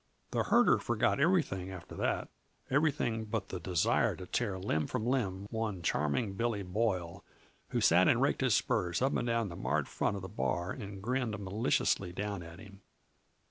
The herder forgot everything after that everything but the desire to tear limb from limb one Charming Billy Boyle, who sat and raked his spurs up and down the marred front of the bar and grinned maliciously down at him.